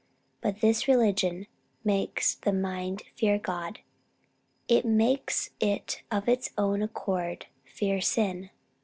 But this religion makes the mind fear God; it makes it of its own accord fear sin."